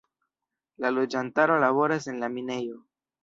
La loĝantaro laboras en la minejo.